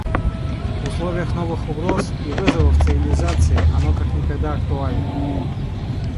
В условиях новых угроз и вызовов цивилизации оно как никогда актуально.